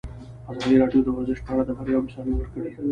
ازادي راډیو د ورزش په اړه د بریاوو مثالونه ورکړي.